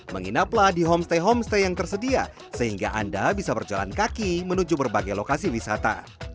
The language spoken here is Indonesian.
menginaplah di homestay homestay yang tersedia sehingga anda bisa berjalan kaki menuju berbagai lokasi wisata